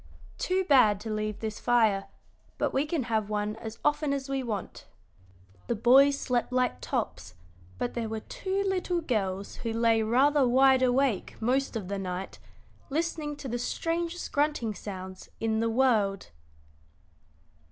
Too bad to leave this fire, but we can have one as often as we want." The boys slept like tops, but there were two little girls who lay rather wide awake most of the night, listening to the strangest grunting sounds in the world.